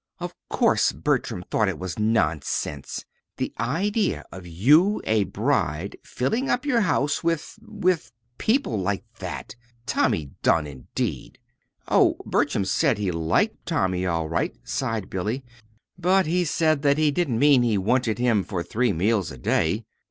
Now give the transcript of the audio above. "Of course Bertram thought it was nonsense. The idea of you, a bride, filling up your house with with people like that! Tommy Dunn, indeed!" "Oh, Bertram said he liked Tommy all right," sighed Billy; "but he said that that didn't mean he wanted him for three meals a day.